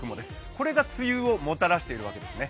これが梅雨をもたらしているわけですね。